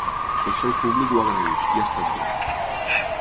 Això el públic ho ha agraït, i ha estat bé.